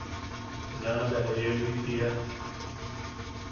Naa bea jeewi tiia.